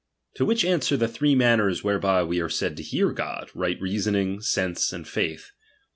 To which answer th* three rummers whereby we are said to hear God ; right reasoning, sense, aadjaith.